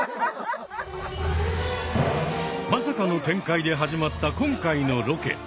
まさかの展開で始まった今回のロケ。